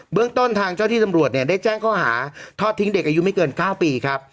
เรื่องต้นทางเจ้าที่ตำรวจเนี่ยได้แจ้งข้อหาทอดทิ้งเด็กอายุไม่เกิน๙ปีครับ